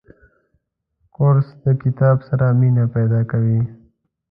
کورس د کتاب سره مینه پیدا کوي.